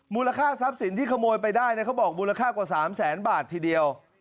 มูลค่าทรัพย์สินที่ขโมยไปได้เขาบอกมูลค่ากว่า๓แสนบาททีเดียว